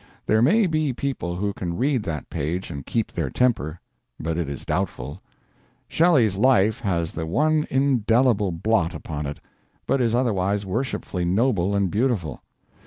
There may be people who can read that page and keep their temper, but it is doubtful. Shelley's life has the one indelible blot upon it, but is otherwise worshipfully noble and beautiful.